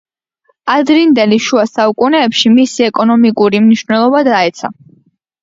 ადრინდელი შუა საუკუნეებში მისი ეკონომიკური მნიშვნელობა დაეცა.